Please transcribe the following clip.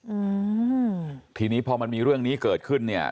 อืมทีนี้พอมันมีเรื่องนี้เกิดขึ้นเนี่ย